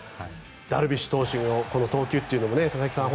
ダルビッシュ投手の投球も佐々木さん